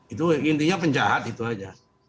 itu intinya penjahat itu aja